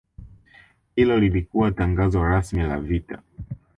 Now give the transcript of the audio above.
Hilo lilikuwa tangazo rasmi la vita